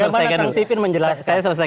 bagaimana kang pipin menjelaskan